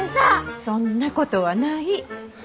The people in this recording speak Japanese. そんなことはない。